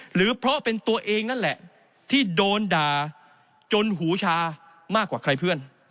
หรือเพราะเป็นตัวเองนั่นแหละที่โดนด่าจนหูชามากกว่าใครเพื่อน